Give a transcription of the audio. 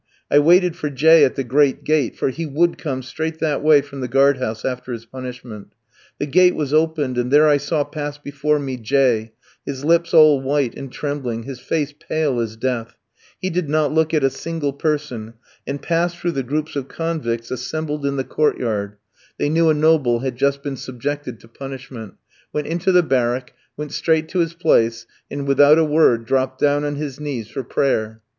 I waited for J ski at the great gate, for he would come straight that way from the guard house after his punishment. The gate was opened, and there I saw pass before me J ski, his lips all white and trembling, his face pale as death; he did not look at a single person, and passed through the groups of convicts assembled in the court yard they knew a noble had just been subjected to punishment went into the barrack, went straight to his place, and, without a word, dropped down on his knees for prayer.